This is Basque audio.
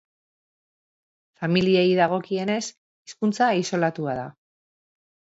Familiei dagokienez, hizkuntza isolatua da.